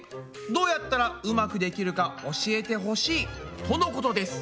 どうやったらうまくできるか教えてほしい」とのことです。